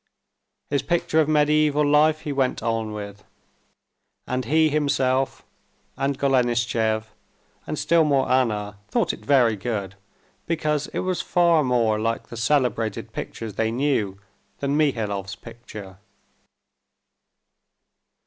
His picture of mediæval life he went on with. And he himself, and Golenishtchev, and still more Anna, thought it very good, because it was far more like the celebrated pictures they knew than Mihailov's picture.